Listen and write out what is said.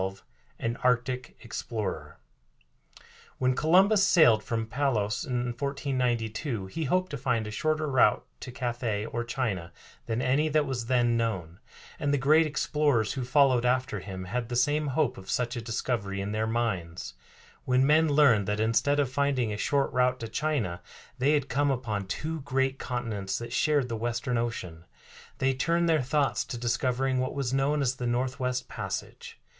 XII AN ARCTIC EXPLORER When Columbus sailed from Palos in 1492 he hoped to find a shorter route to Cathay or China than any that was then known, and the great explorers who followed after him had the same hope of such a discovery in their minds. When men learned that instead of finding a short route to China they had come upon two great continents that shared the Western Ocean, they turned their thoughts to discovering what was known as the Northwest Passage.